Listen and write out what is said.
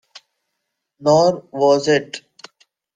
Nor was it.